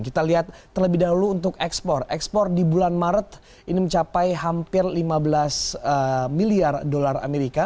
kita lihat terlebih dahulu untuk ekspor ekspor di bulan maret ini mencapai hampir lima belas miliar dolar amerika